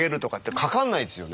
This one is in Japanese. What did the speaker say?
かかんないですよね。